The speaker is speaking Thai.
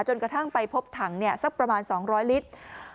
กระทั่งไปพบถังสักประมาณ๒๐๐ลิตร